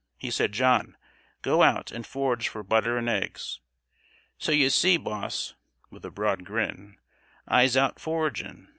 He said: 'John, go out and forage for butter and eggs.' So you see, boss" (with a broad grin), "I'se out foraging.